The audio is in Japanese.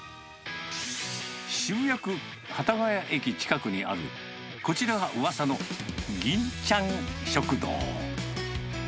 渋谷区幡ヶ谷駅近くにあるこちらがうわさの、銀ちゃん食堂。